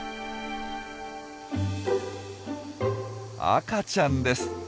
赤ちゃんです！